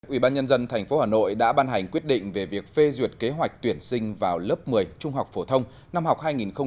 ủy ban nhân dân tp hà nội đã ban hành quyết định về việc phê duyệt kế hoạch tuyển sinh vào lớp một mươi trung học phổ thông năm học hai nghìn hai mươi hai nghìn hai mươi một